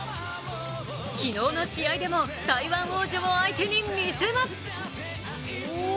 昨日の試合でも台湾王者を相手にみせます。